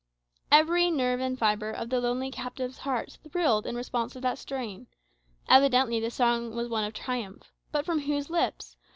Every nerve and fibre of the lonely captive's heart thrilled responsive to that strain. Evidently the song was one of triumph. But from whose lips?